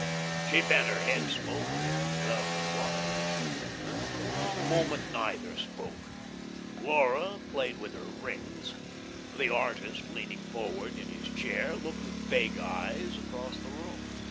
She bent her head slowly, without replying. Then for a long moment neither spoke. Laura played with her rings. The artist, leaning forward in his chair, looked with vague eyes across the room.